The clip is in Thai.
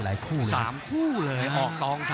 โหโหโหโหโห